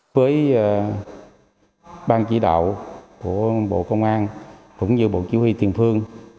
với bang chỉ đạo của bộ công an cũng như bộ chủ huy tiền phương